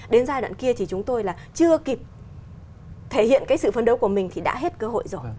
đến giai đoạn kia thì chúng tôi là chưa kịp thể hiện cái sự phấn đấu của mình thì đã hết cơ hội rồi